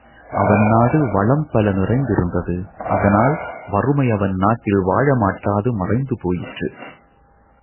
அவன் நாடு வளம் பல நிறைந்திருந்தது அதனால், வறுமை அவன் நாட்டில் வாழமாட்டாது மறைந்து போயிற்று.